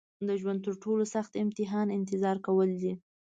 د ژوند تر ټولو سخت امتحان انتظار کول دي.